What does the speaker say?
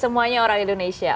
semuanya orang indonesia